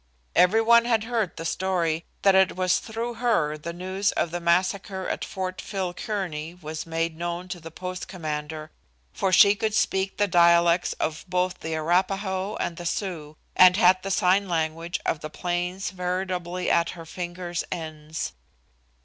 Every one had heard the story that it was through her the news of the massacre at Fort Phil Kearny was made known to the post commander, for she could speak the dialects of both the Arapahoe and the Sioux, and had the sign language of the Plains veritably at her fingers' ends.